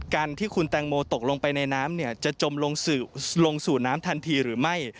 การที่คุณแตงโมตกลงไปในน้ำจะจมลงสู่น้ำทันทีหรือไม่